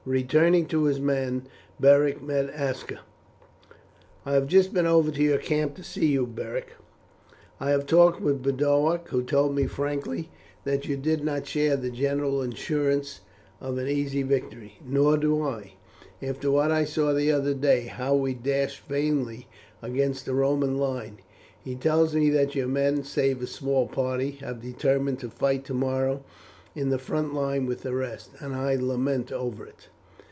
Returning to his men, Beric met Aska. "I have just been over to your camp to see you, Beric. I have talked with Boduoc, who told me frankly that you did not share the general assurance of an easy victory. Nor do I, after what I saw the other day how we dashed vainly against the Roman line. He tells me that your men, save a small party, have determined to fight tomorrow in the front line with the rest, and I lament over it."